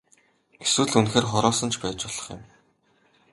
Эсвэл үнэхээр хороосон ч байж болох юм.